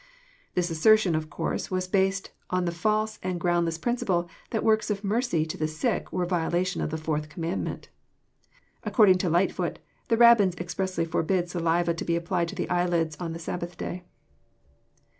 "— This assertion of course was based on the false anS^groundless principle that works of mer cy to the sick were a violation of the TouTth Commandment. According to Lightfoot, the Rabbins expressly forbid saliva to be applied to the eyelids on the Sabbath day.